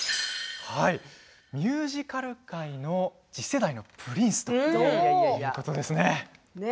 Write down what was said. ミュージカル界の次世代のプリンスということなんですね。